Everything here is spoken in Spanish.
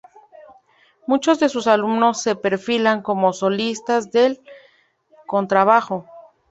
Muchos de sus alumnos se perfilan como solistas del contrabajo.